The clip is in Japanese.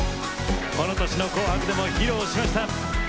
この年の「紅白」でも披露しました。